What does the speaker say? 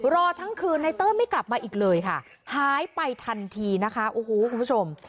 รอทั้งคืนในเต้ยไม่กลับมาอีกเลยค่ะหายไปทันทีนะคะโอ้โหคุณผู้ชม